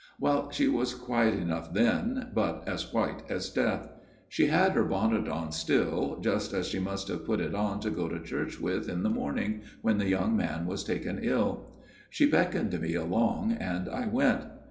" Well, she was quiet enough then, but as white as death. She had her bonnet on still, just as she FATHER JENKS' TALE 163 must have put it on to go to church with in the morning when the young man was taken ill. She beckoned me along and I went.